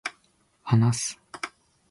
話す、